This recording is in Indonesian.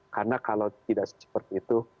karena kalau tidak seperti itu